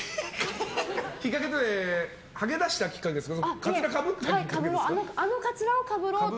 きっかけってはげ出したきっかけですか？